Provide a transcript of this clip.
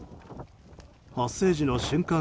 発生時の瞬間